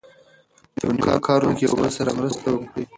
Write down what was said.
په نېکو کارونو کې یو بل سره مرسته وکړئ.